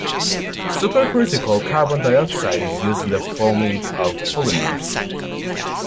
Supercritical carbon dioxide is used in the foaming of polymers.